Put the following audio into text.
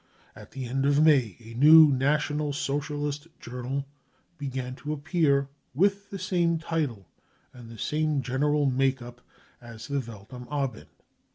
At the end of May a new National Socialist journal began to appear, with the same title and the same general make up as the Welt am Abend